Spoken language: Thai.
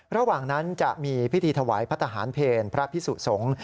ระหว่างนั้นจะมีพิธีถวายพระทหารเพลพระพิสุสงฆ์